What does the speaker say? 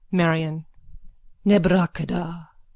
_ MARION: Nebrakada!